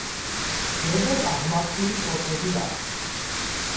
ზემოთ აღმართული ტოტები აქვს.